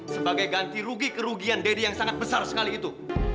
sebagai ganti rugi kerugian deddy yang sangat besar sekali itu